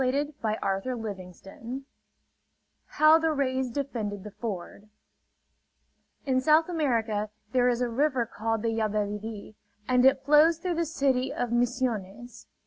SOUTH AMERICAN JUNGLE TALES HOW THE RAYS DEFENDED THE FORD In South America there is a river called the Yabebirì; and it flows through the city of Misiones.